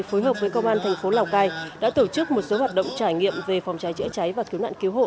phối hợp với công an thành phố lào cai đã tổ chức một số hoạt động trải nghiệm về phòng cháy chữa cháy và cứu nạn cứu hộ